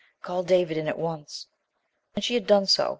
Call David in at once!" And she had done so.